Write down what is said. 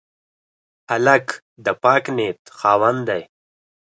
هلک د پاک نیت خاوند دی.